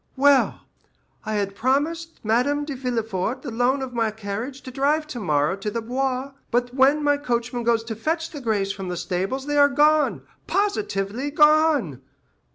Well, I had promised Madame de Villefort the loan of my carriage to drive tomorrow to the Bois; but when my coachman goes to fetch the grays from the stables they are gone—positively gone.